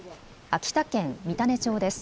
秋田県三種町です。